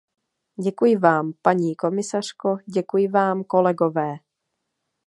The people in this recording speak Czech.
Děkuji vám, paní komisařko, děkuji vám, kolegové.